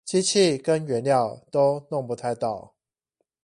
機器跟原料都弄不太到